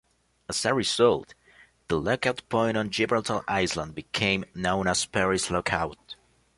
As a result, the lookout point on Gibraltar Island became known as Perry's Lookout.